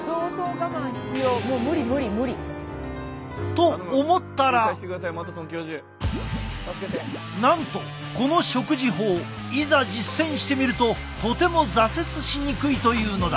無理無理無理。と思ったらなんとこの食事法いざ実践してみるととても挫折しにくいというのだ。